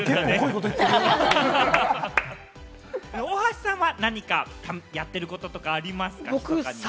大橋さんは何かやってることとかありますか？